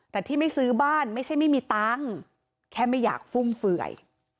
แต่ที่ไม่ซื้อบ้านไม่ใช่ไม่มีตังค์แค่ไม่อยากฟุ่มเฟื่อย